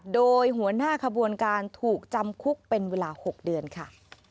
โดยหัวหน้าขบวนการถูกจำคุกเป็นเวลา๖เดือนค่ะ